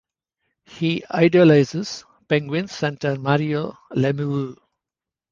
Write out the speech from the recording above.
He idolizes Penguins center Mario Lemieux.